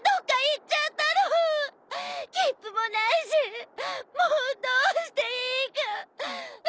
切符もないしもうどうしていいか。